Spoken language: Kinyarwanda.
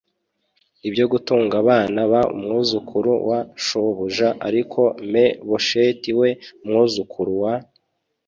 ibyo gutunga abana b umwuzukuru wa shobuja ariko me bosheti we umwuzukuru wa